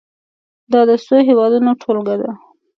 دا د څو هېوادونو ټولګه ده.